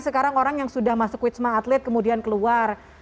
sekarang orang yang sudah masuk wisma atlet kemudian keluar